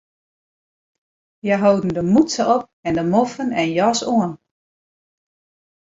Hja holden de mûtse op en de moffen en jas oan.